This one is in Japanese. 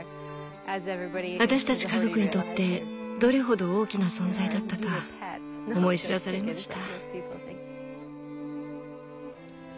私たち家族にとってどれほど大きな存在だったか思い知らされました。